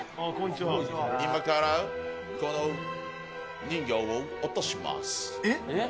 今からこの人形を落とします。